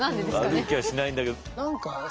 悪い気はしないんだけど。